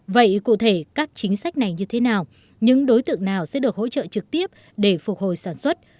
vậy cụ thể các chính sách này như thế nào những đối tượng nào sẽ được hỗ trợ trực tiếp để phục hồi sản xuất